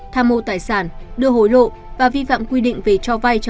tham mô tài sản đưa hối lộ và vi phạm quy định về cho vay